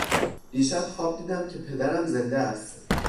دیشب خواب دیدم که پدرم زنده است.